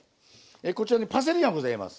こちらにパセリがございます。